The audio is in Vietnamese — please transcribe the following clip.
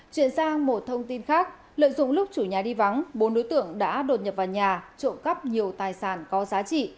chuyển sang một thông tin khác lợi dụng lúc chủ nhà đi vắng bốn đối tượng đã đột nhập vào nhà trộm cắp nhiều tài sản có giá trị